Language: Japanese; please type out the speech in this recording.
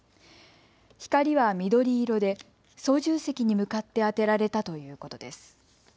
光は緑色で操縦席に向かって当てられたということです。